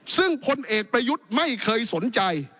ซึ่งพลเอกประยุทธ์ไม่เคยสนใจ